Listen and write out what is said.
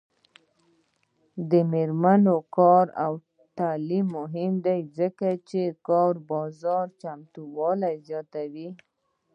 د میرمنو کار او تعلیم مهم دی ځکه چې کار بازار چمتووالي زیاتوي.